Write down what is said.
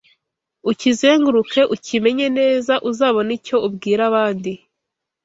ukizenguruke ukimenye neza uzabone icyo ubwira abandi